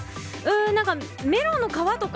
なんかメロンの皮とか。